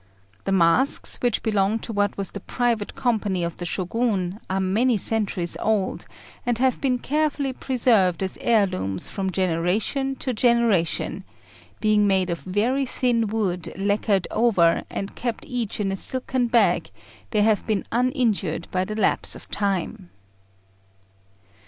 The masks, which belong to what was the private company of the Shogun, are many centuries old, and have been carefully preserved as heirlooms from generation to generation; being made of very thin wood lacquered over, and kept each in a silken bag, they have been uninjured by the lapse of time.